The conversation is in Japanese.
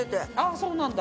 そうなんだ。